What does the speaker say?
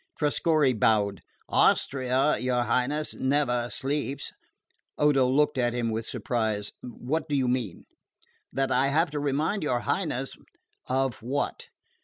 Trescorre bowed. "Austria, your Highness, never sleeps." Odo looked at him with surprise. "What do you mean?" "That I have to remind your Highness " "Of what